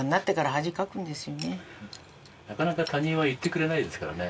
なかなか他人は言ってくれないですからね。